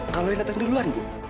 kalau yang datang duluan ibu